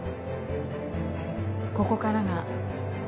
ここからが。